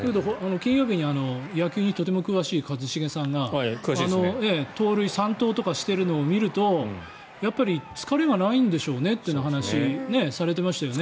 金曜日に野球にとても詳しい一茂さんが盗塁三盗とかしているのを見るとやっぱり疲れがないんでしょうねという話をされていましたよね。